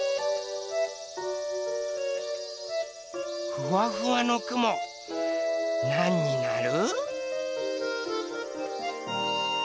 ふわふわのくもなんになる？